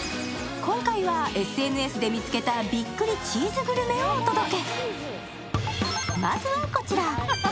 今回は、ＳＮＳで見つけたびっくりチーズグルメをお届け。